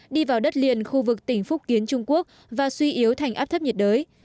đi vào đất liền khu vực tỉnh phúc kiến trung quốc và suy yếu thành áp thấp nhiệt đới